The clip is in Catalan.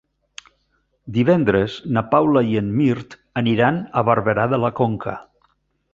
Divendres na Paula i en Mirt aniran a Barberà de la Conca.